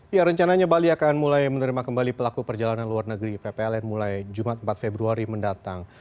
ya rencananya bali akan mulai menerima kembali pelaku perjalanan luar negeri ppln mulai jumat empat februari mendatang